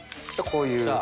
こういう。